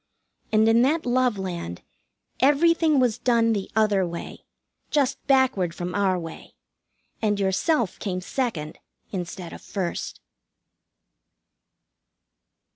And in that Love Land everything was done the other way, just backward from our way, and yourself came second instead of first.